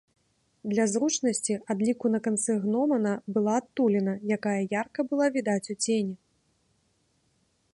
Для зручнасці адліку на канцы гномана была адтуліна, якая ярка была відаць у цені.